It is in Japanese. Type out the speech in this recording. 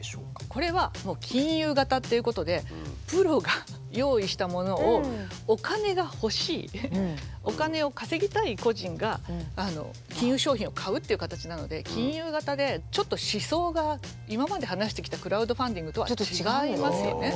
これはもう金融型っていうことでプロが用意したものをお金が欲しいお金を稼ぎたい個人が金融商品を買うっていう形なので金融型でちょっと思想が今まで話してきたクラウドファンディングとは違いますよね。